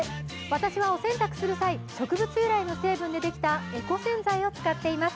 私はお洗濯する際、植物由来の洗剤でできたエコ洗剤を使っています。